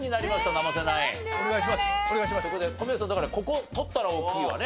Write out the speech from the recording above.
小宮さんだからここ取ったら大きいわね。